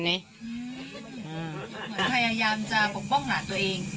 พยายามจะปกป้องหลานตัวเอง